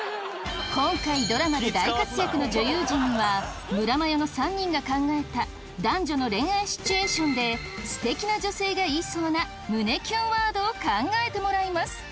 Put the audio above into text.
今回ドラマで大活躍の女優陣には村マヨの３人が考えた男女の恋愛シチュエーションで素敵な女性が言いそうな胸キュンワードを考えてもらいます。